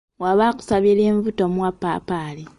"Bw'aba akusabye lyenvu, tomuwa ppaapaali."